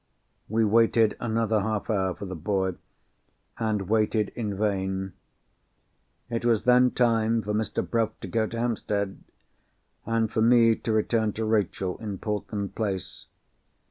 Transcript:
We waited another half hour for the boy, and waited in vain. It was then time for Mr. Bruff to go to Hampstead, and for me to return to Rachel in Portland Place.